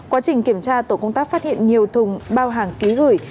quá trình kiểm tra tổ công tác phát hiện nhiều thùng bao hàng ký gửi